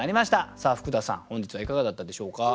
さあ福田さん本日はいかがだったでしょうか？